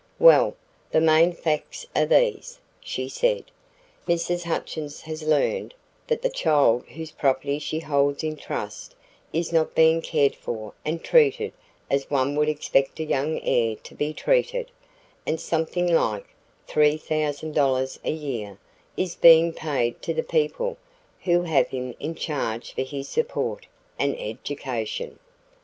"Well, the main facts are these," she said: "Mrs. Hutchins has learned that the child whose property she holds in trust is not being cared for and treated as one would expect a young heir to be treated, and something like $3,000 a year is being paid to the people who have him in charge for his support and education.